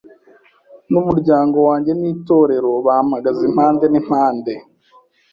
n’umuryango wanjye n’itorero bampagaze impande n’impande.